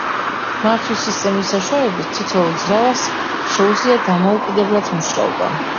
მართვის სისტემის საშუალებით თითოეულ ძრავას შეუძლია დამოუკიდებლად მუშაობა.